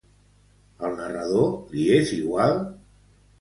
Al narrador li és igual?